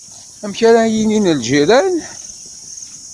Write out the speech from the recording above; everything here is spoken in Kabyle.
Amek ara inin lǧiran?